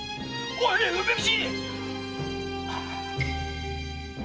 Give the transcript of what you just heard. おい梅吉！